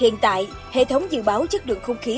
hiện tại hệ thống dự báo chất lượng không khí